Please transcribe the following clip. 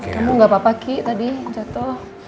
kamu gak apa apa ki tadi jatuh